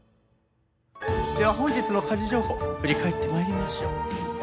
では本日の家事情報振り返って参りましょう。